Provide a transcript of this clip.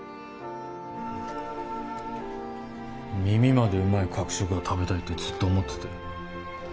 耳までうまい角食が食べたいってずっと思ってて